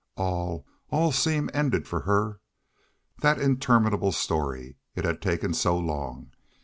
All all seemed ended for her. That interminable story! It had taken so long.